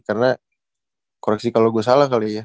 karena koreksi kalau gue salah kali ya